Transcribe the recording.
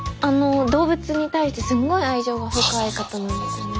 動物に対してすんごい愛情が深い方なんですよね。